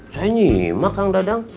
saya nyimak kang dadang